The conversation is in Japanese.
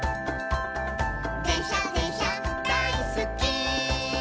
「でんしゃでんしゃだいすっき」